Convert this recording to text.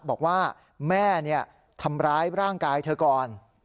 บอกว่าแม่ทำร้ายร่างกายเธอก่อน